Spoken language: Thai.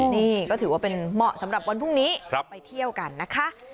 นี่ก็ถือว่าเป็นเหมาะสำหรับวันพรุ่งนี้ไปเที่ยวกันนะคะ